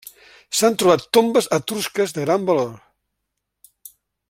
S'han trobat tombes etrusques de gran valor.